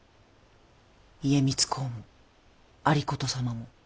家光公も有功様も。